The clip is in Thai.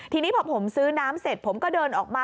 ทีนี้พอผมซื้อน้ำเสร็จผมก็เดินออกมา